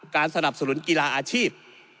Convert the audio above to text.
สนับสนุนกีฬาอาชีพ